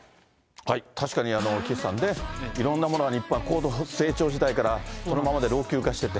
確かに岸さん、いろんなものが日本は高度成長時代からそのままで老朽化してて。